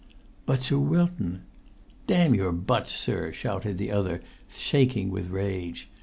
"But, Sir Wilton——" "Damn your 'buts,' sir!" shouted the other, shaking with rage.